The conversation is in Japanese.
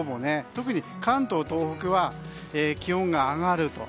特に関東、東北は気温が上がります。